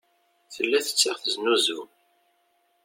Tella tettaɣ teznuzu.